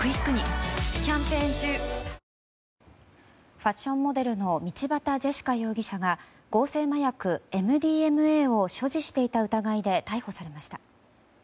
ファッションモデルの道端ジェシカ容疑者が合成麻薬・ＭＤＭＡを所持していた疑いで逮捕されました。